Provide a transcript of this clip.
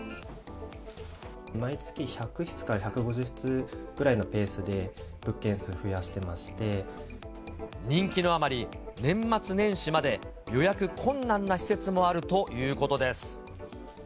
毎月１００室から１５０室くらいのペースで、人気のあまり、年末年始まで予約困難な施設もあるということです。